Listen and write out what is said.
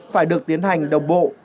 phải được tiến hành đồng bộ